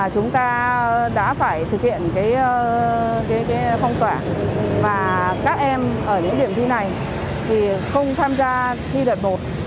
chúng ta phải thực hiện cái phong tỏa và các em ở những điểm thi này thì không tham gia thi đợt một